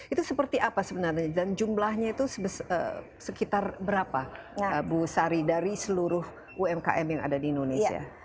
itu seperti apa sebenarnya dan jumlahnya itu sekitar berapa bu sari dari seluruh umkm yang ada di indonesia